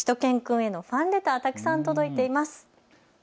しゅと犬くんへのファンレター、たくさん届いてます。